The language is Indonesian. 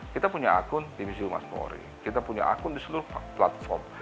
kita punya akun divisi humas polri kita punya akun di seluruh platform